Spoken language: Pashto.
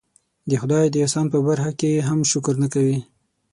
د خدای د احسان په برخه کې هم شکر نه کوي.